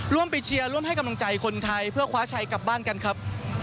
ไปเชียร์ร่วมให้กำลังใจคนไทยเพื่อคว้าชัยกลับบ้านกันครับ